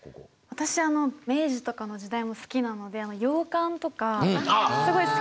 私明治とかの時代も好きなのであの洋館とかすごい好きでしたね。